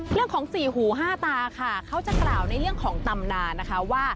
เรื่องของสี่หูห้าตาค่ะเขาจะกล่าวในเรื่องของตำนานนะคะว่า